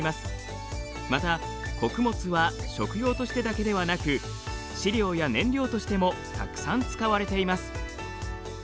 また穀物は食用としてだけではなく飼料や燃料としてもたくさん使われています。